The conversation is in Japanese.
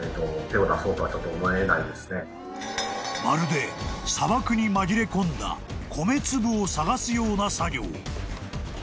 ［まるで砂漠に紛れ込んだ米粒を捜すような作業］